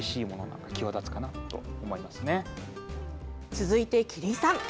続いて、麒麟さん！